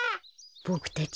ボクたち